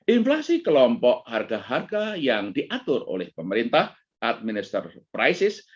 inflasi kelompok harga harga yang diatur oleh pemerintah administer prices